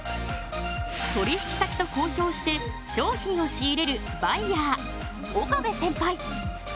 取引先とこうしょうして商品を仕入れるバイヤー岡部センパイ。